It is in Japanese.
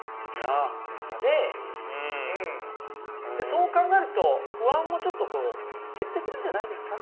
そう考えると不安もちょっと減ってくるんじゃないですか？